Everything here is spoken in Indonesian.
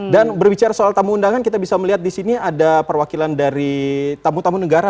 dan berbicara soal tamu undangan kita bisa melihat disini ada perwakilan dari tamu tamu negara